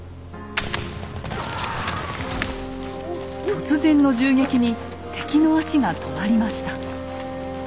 突然の銃撃に敵の足が止まりました。